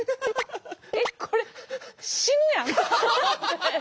えっこれ死ぬやんって。